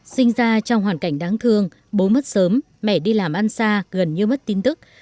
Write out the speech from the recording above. sinh ra trong hoàn cảnh đáng thương bố mất sớm mẹ đi làm ăn xa gần như mất tin tức